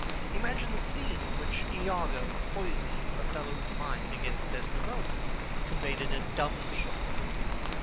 Imagine the scene in which Iago poisons Othello's mind against Desdemona, conveyed in dumb show.